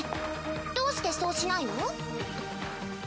どうしてそうしないの？